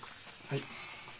はい。